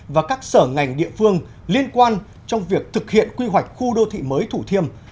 và các sở ngành địa phương liên quan trong việc thực hiện quy hoạch khu đô thị mới thủ thiêm